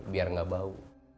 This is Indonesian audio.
biar gak bau